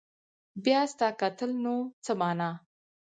بيا ستا کتل نو څه معنا